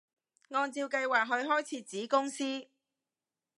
按照計劃去開設子公司